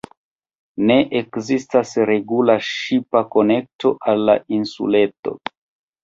Ne ekzistas regula ŝipa konekto al la insuleto.